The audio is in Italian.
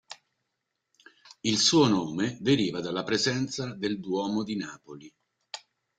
Il suo nome deriva dalla presenza del Duomo di Napoli.